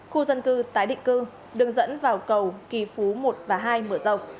khu dân cư tái định cư đường dẫn vào cầu kỳ phú một và hai mở rộng